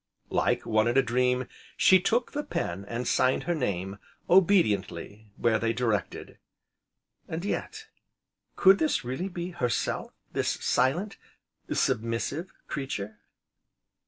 Like one in a dream, she took the pen, and signed her name, obediently, where they directed. And yet, could this really be herself, this silent, submissive creature?